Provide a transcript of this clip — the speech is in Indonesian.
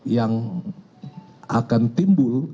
yang akan timbul